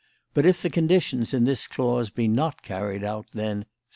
But if the conditions in this clause be not carried out then "3.